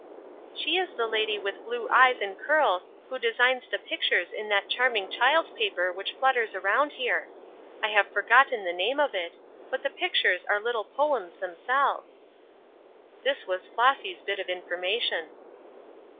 "She is the lady with blue eyes and curls who designs the pictures in that charming child's paper which flutters around here. I have forgotten the name of it, but the pictures are little poems themselves." This was Flossy's bit of information.